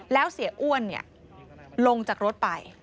แล้วเสียอ้วนลงจากรถไป